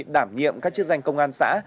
đảm nghiệm các chức danh công an xã